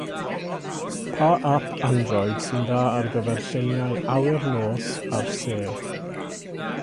Pa ap Android sy'n dda ar gyfer lluniau awyr nos a'r sêr?